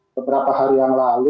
beberapa hari yang lalu